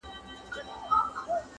لهشاوردروميګناهونهيېدلېپاتهسي-